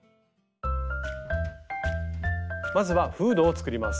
まずはフードを作ります。